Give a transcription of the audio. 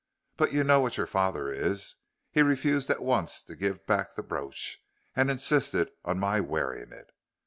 But you know what your father is. He refused at once to give back the brooch, and insisted on my wearing it.